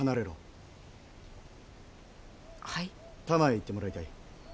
多摩へ行ってもらいたい。